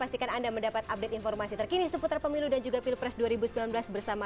pastikan anda mendapat update informasi terkini seputar pemilu dan juga pilpres dua ribu sembilan belas bersama